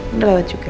udah lewat jalan